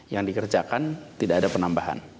yang dikerjakan tidak ada penambahan